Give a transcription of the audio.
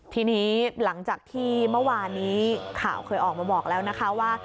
ทีนี้หลังจากที่เมื่อวานนี้ข่าวเคยออกมาบอกแล้วนะคะว่า